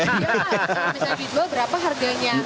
nggak bisa dijual berapa harganya